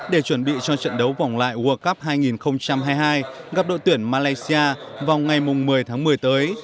để chuẩn bị cho trận đấu vòng lại world cup hai nghìn hai mươi hai gặp đội tuyển malaysia vào ngày một mươi tháng một mươi tới